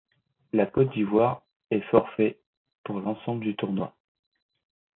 La Côte d'Ivoire est forfait pour l'ensemble du tournoi.